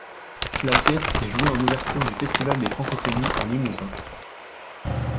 La pièce est jouée en ouverture du Festival des Francophonies en Limousin.